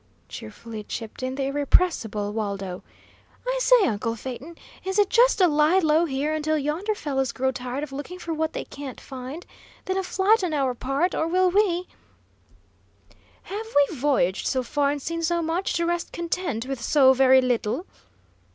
cheerfully chipped in the irrepressible Waldo. "I say, uncle Phaeton, is it just a lie low here until yonder fellows grow tired of looking for what they can't find, then a flight on our part; or will we " "Have we voyaged so far and seen so much, to rest content with so very little?"